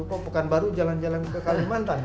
kok pekanbaru jalan jalan ke kalimantan ini ya